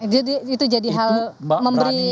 jadi itu jadi hal memberi